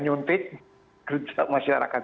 nyuntik kerja masyarakat